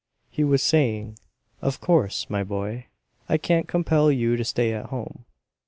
He was saying, "Of course, my boy, I can't compel you to stay at home."